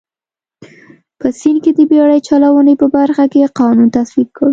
په سیند کې د بېړۍ چلونې په برخه کې قانون تصویب کړ.